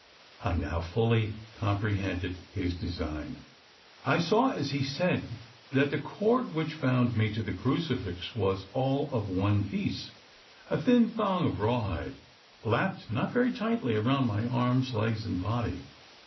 I now fully comprehended his design. I saw, as he said, that the cord which bound me to the crucifix was all of one piece a thin thong of raw hide lapped not very tightly around my arms, legs, and body.